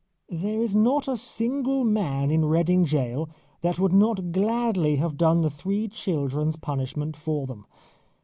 There is not a single man in Reading Gaol that would not gladly have done the three children's punishment for them.